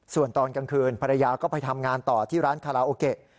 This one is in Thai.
ส่วนตอนกลางคืนภรรยาก็ไปทำงานต่อที่ร้านคาราโอเกะ